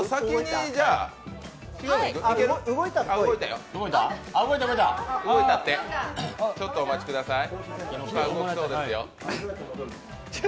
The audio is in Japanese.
動いたってちょっとお待ちください。